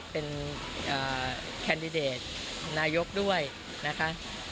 เป็นแคนดิเดตนายกด้วยนะคะ